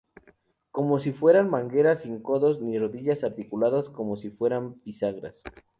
Como si fueran mangueras: sin codos ni rodillas articulados como si fueran bisagras.